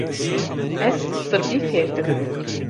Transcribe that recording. Ez sirbî fêr dibim.